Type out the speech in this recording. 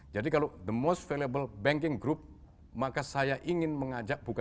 jadi kalau the most valuable banking group maka saya ingin mengajak berikutnya